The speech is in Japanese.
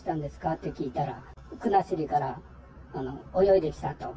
って聞いたら、国後から泳いできたと。